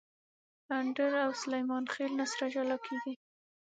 اندړ او سلیمان خېل نه سره جلاکیږي